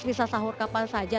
bisa sahur kapan saja